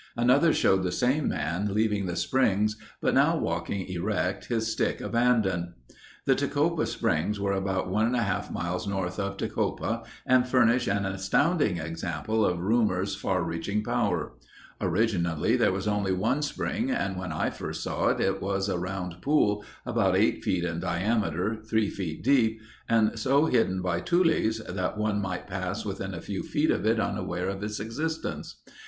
Another showed the same man leaving the springs but now walking erect, his stick abandoned. The Tecopa Springs are about one and a half miles north of Tecopa and furnish an astounding example of rumor's far reaching power. Originally there was only one spring and when I first saw it, it was a round pool about eight feet in diameter, three feet deep and so hidden by tules that one might pass within a few feet of it unaware of its existence.